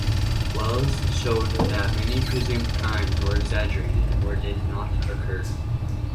Wells showed that many presumed crimes were exaggerated or did not occur.